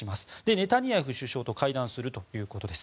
ネタニヤフ首相と会談するということです。